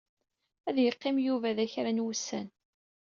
Ad yeqqim Yuba da kra n wussan.